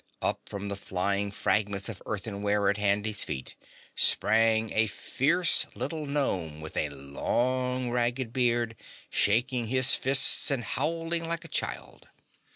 Up from the flying fragments of earthenware at Handy's feet sprang a fierce little gnome with a long ragged beard, shaking his fists and howling like a child.